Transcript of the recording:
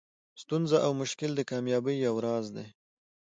ستونزه او مشکل د کامیابۍ یو راز دئ.